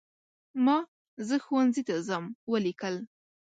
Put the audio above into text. ما "زه ښوونځي ته ځم" ولیکل.